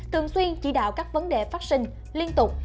thường xuyên chỉ đạo các vấn đề phát sinh liên tục